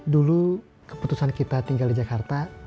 dulu keputusan kita tinggal di jakarta